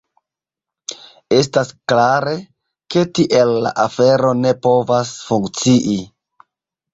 Estas klare, ke tiel la afero ne povas funkcii.